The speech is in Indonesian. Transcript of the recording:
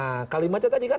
nah kalimatnya tadi kan